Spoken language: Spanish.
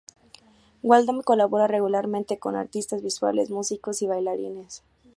Waldman colabora regularmente con artistas visuales, músicos y bailarines.